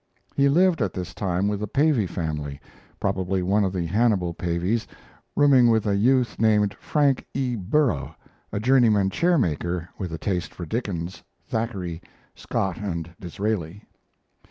He lived at this time with a Pavey family, probably one of the Hannibal Paveys, rooming with a youth named Frank E. Burrough, a journeyman chair maker with a taste for Dickens, Thackeray, Scott, and Disraeli.